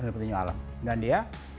petinju alam dan dia